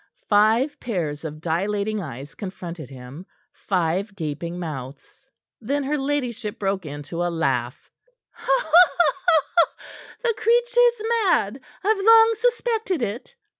Five pairs of dilating eyes confronted him, five gaping mouths. Then her ladyship broke into a laugh. "The creature's mad I've long suspected it."